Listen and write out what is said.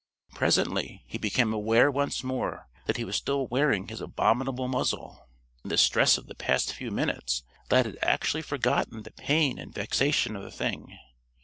Presently he became aware once more that he was still wearing his abominable muzzle. In the stress of the past few minutes Lad had actually forgotten the pain and vexation of the thing.